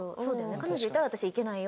「彼女いたら私行けないよ」